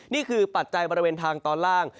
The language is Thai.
นี่คือปัจจัยบริเวณทางตอนล่าง